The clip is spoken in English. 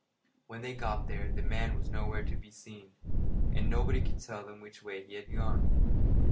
When they got there the man was nowhere to be seen, and nobody could tell them which way he had gone.